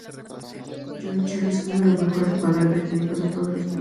John Charles fue uno de los mejores jugadores británicos de todos los tiempos.